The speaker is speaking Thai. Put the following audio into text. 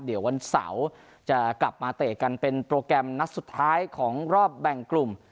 เดี๋ยววันเสาร์จะกลับมาเตะกันเป็นโปรแกรมนัดสุดท้ายของรอบแบ่งกลุ่ม